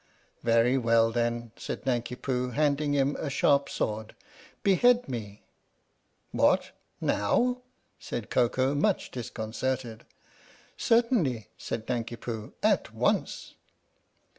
"Very well, then," said Nanki Poo, handing him a sharp sword, " behead me." "What, now?" said Koko, much disconcerted. "Certainly," said Nanki Poo, "at once."